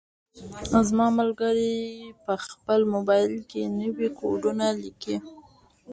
زما ملګری په خپل موبایل کې نوي کوډونه لیکي.